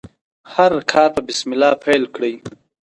هر کار په بسم الله پیل کړئ.